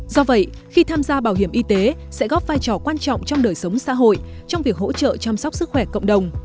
do vậy khi tham gia bảo hiểm y tế sẽ góp vai trò quan trọng trong đời sống xã hội trong việc hỗ trợ chăm sóc sức khỏe cộng đồng